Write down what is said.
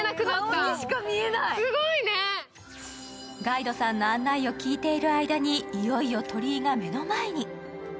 ガイドさんの案内を聞いている間に、いよいよ鳥居が目の前に。